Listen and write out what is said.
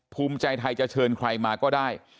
ภูมิใจไทยจะเชิญใครมาก็ได้